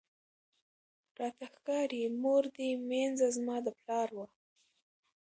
راته ښکاری مور دي مینځه زما د پلار وه